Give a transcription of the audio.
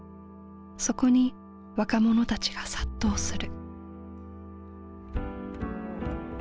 そこに若者たちが殺到する。